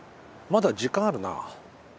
まだ時間あるな。